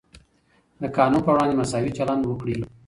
د قانون په وړاندې مساوي چلند وکړئ.